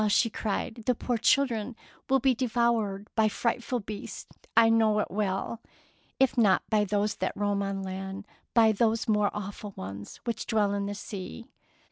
Ah," cried she, " the poor children will be devoured by frightful beasts, I know it well, — if not by those that roam on land, by those more awful ones which dwell in the sea